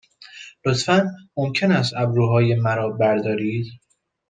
لطفاً ممکن است ابروهای مرا بردارید؟